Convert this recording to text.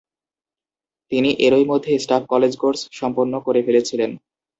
তিনি এরই মধ্যে স্টাফ কলেজ কোর্স সম্পন্ন করে ফেলেছিলেন।